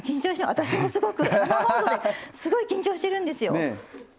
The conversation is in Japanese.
私もすごい緊張してるんですよ。